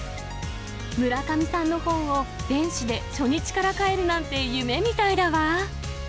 村上さんの本を電子で初日から買えるなんて夢みたいだわ。